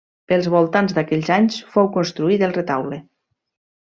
Pels voltants d'aquells anys fou construït el retaule.